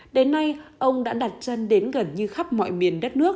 đến nay ông đã đặt chân đến gần